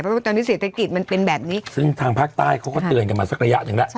เพราะว่าตอนนี้เศรษฐกิจมันเป็นแบบนี้ซึ่งทางภาคใต้เขาก็เตือนกันมาสักระยะหนึ่งแล้ว